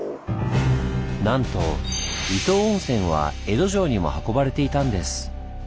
なんと伊東温泉は江戸城にも運ばれていたんです。